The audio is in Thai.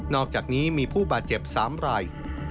อกจากนี้มีผู้บาดเจ็บ๓ราย